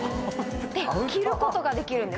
で着ることができるんです。